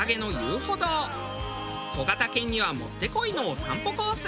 小型犬にはもってこいのお散歩コース。